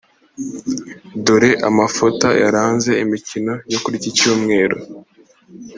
dore amafota yaranze imikino yo kuri icyi cyumweru